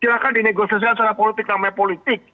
silahkan dinegosiasikan secara politik namanya politik